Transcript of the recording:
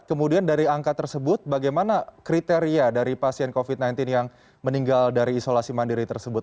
kemudian dari angka tersebut bagaimana kriteria dari pasien covid sembilan belas yang meninggal dari isolasi mandiri tersebut